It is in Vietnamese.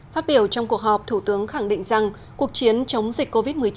phát biểu trong cuộc họp thủ tướng khẳng định rằng cuộc chiến chống dịch covid một mươi chín